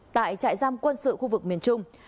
tại trại giam quân sự khu vực miền trung